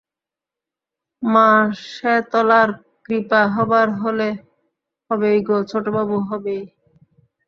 মা শেতলার কৃপা হবার হলে হবেই গো ছোটবাবু, হবেই।